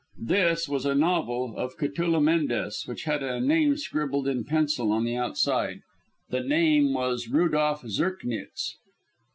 "This" was a novel of Catulle Mendes, which had a name scribbled in pencil on the outside. The name was "Rudolph Zirknitz."